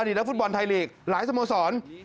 นักฟุตบอลไทยลีกหลายสโมสร